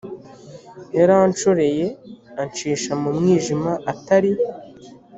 yaranshoreye ancisha mu mwijima atari